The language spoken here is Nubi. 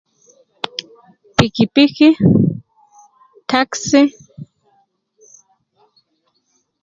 Piki piki, taxi